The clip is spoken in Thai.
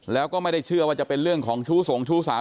แล้วก็ไม่ได้เชื่อว่าจะเป็นเรื่องของชู้สงชู้สาว